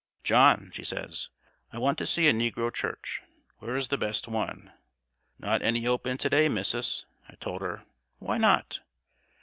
'John,' she says, 'I want to see a negro church. Where is the best one?' 'Not any open to day, Missus,' I told her. 'Why not?'